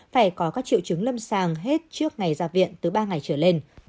phải có các triệu chứng lâm sàng hết trước ngày ra viện từ ba ngày trở lên